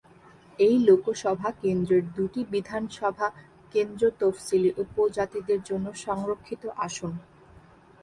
এই লোকসভা কেন্দ্রের দুটি বিধানসভা কেন্দ্র তফসিলী উপজাতিদের জন্য সংরক্ষিত আসন।